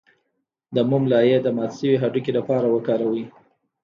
د موم لایی د مات شوي هډوکي لپاره وکاروئ